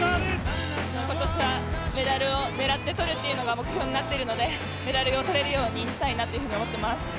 今年はメダルを狙って取るというのが目標になっているのでメダルを取れるようにしたいなと思っています。